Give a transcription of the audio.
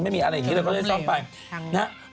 ไม่มีอะไรอย่างนี้เลยเขาเลยซ่อนไป